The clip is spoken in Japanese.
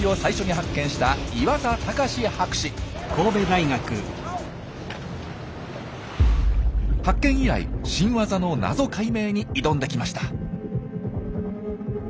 発見以来新ワザの謎解明に挑んできました。